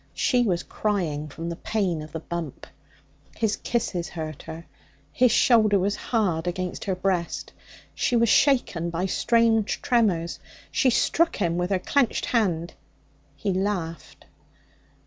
She was crying from the pain of the bump; his kisses hurt her; his shoulder was hard against her breast. She was shaken by strange tremors. She struck him with her clenched hand. He laughed.